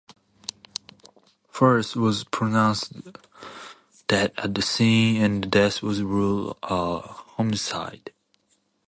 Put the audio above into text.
Forrest was pronounced dead at the scene and the death was ruled a homicide.